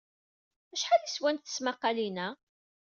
Acḥal ay swant tesmaqqalin-a?